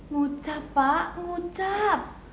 mucap pak mucap